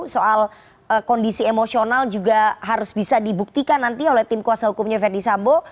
soal kondisi emosional juga harus bisa dibuktikan nanti oleh tim kuasa hukumnya verdi sambo